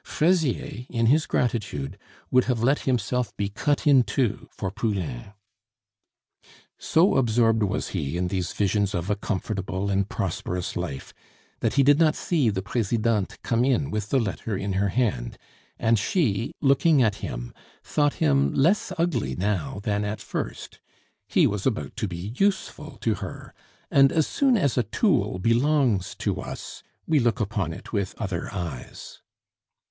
Fraisier, in his gratitude, would have let himself be cut in two for Poulain. So absorbed was he in these visions of a comfortable and prosperous life, that he did not see the Presidente come in with the letter in her hand, and she, looking at him, thought him less ugly now than at first. He was about to be useful to her, and as soon as a tool belongs to us we look upon it with other eyes.